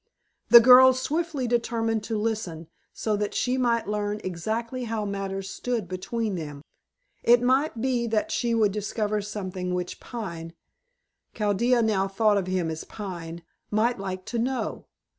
The girl swiftly determined to listen, so that she might learn exactly how matters stood between them. It might be that she would discover something which Pine Chaldea now thought of him as Pine might like to know.